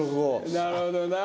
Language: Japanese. なるほどなぁ。